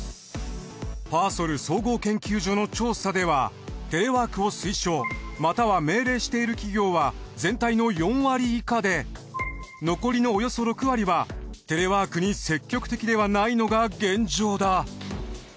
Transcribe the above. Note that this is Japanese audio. パーソル総合研究所の調査ではテレワークを推奨または命令している企業は全体の４割以下で残りのおよそ６割はテレワークに積極的ではないのが現状だ。